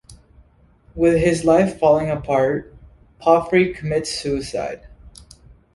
With his life falling apart, Palfrey commits suicide.